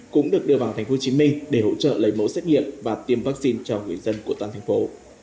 cũng được đưa vào tp hcm để hỗ trợ lấy mẫu xét nghiệm và tiêm vaccine cho người dân của toàn thành phố